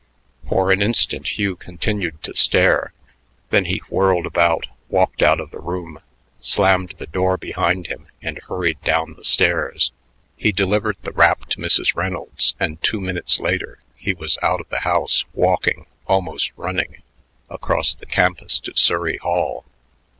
For an instant Hugh continued to stare; then he whirled about, walked out of the room, slammed the door behind him, and hurried down the stairs. He delivered the wrap to Mrs. Reynolds, and two minutes later he was out of the house walking, almost running, across the campus to Surrey Hall.